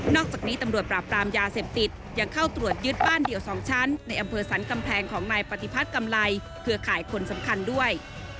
จากนี้ตำรวจปราบปรามยาเสพติดยังเข้าตรวจยึดบ้านเดี่ยว๒ชั้นในอำเภอสรรกำแพงของนายปฏิพัฒน์กำไรเครือข่ายคนสำคัญด้วย